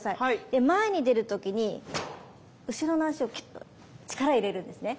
で前に出る時に後ろの足をキュっと力を入れるんですね。